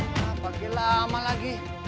pakai lama lagi